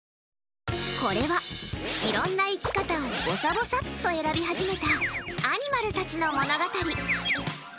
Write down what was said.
これは、いろんな生き方をぼさぼさっと選び始めたアニマルたちの物語。